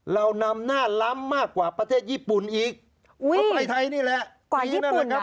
เรานำหน้าล้ำมากกว่าประเทศญี่ปุ่นอีกอุ้ยไปไทยนี่แหละกว่าญี่ปุ่นเหรอ